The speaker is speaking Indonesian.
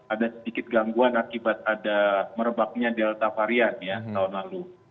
ada sedikit gangguan akibat ada merebaknya delta varian ya tahun lalu